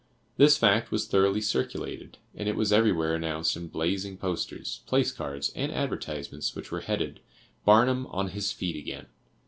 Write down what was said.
This fact was thoroughly circulated and it was everywhere announced in blazing posters, placards and advertisements which were headed, "Barnum on his feet again."